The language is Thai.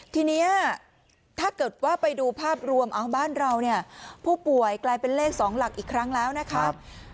ทีนี้ถ้าเกิดว่าไปดูภาพรวมเอาบ้านเราเนี่ยผู้ป่วยกลายเป็นเลข๒หลักอีกครั้งแล้วนะครับ